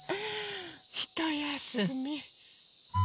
ひとやすみ。